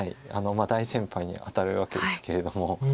大先輩にあたるわけですけれども。